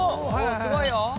「すごいよ！」